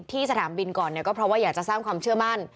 สนามบินก่อนเนี่ยก็เพราะว่าอยากจะสร้างความเชื่อมั่น